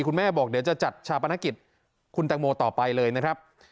คุณแม่บอกเดี๋ยวจะจัดชาปนกิจคุณแตงโมต่อไปเลยนะครับ